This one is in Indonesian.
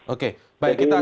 oke baik kita akan